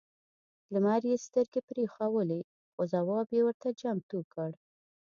لمر یې سترګې برېښولې خو ځواب یې ورته چمتو کړ.